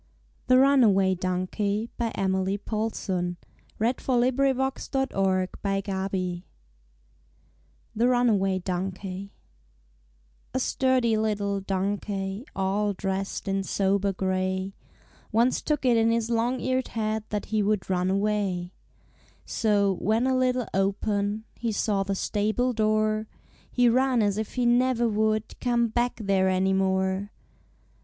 NEY'S LATEST PRANK 74 THE RUNAWAY DONKEY A sturdy little donkey, All dressed in sober gray, Once took it in his long eared head That he would run away. So, when a little open He saw the stable door, He ran as if he never would Come back there any more.